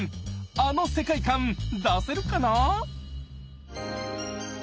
あの世界観出せるかな？